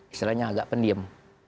istilahnya agak pendiem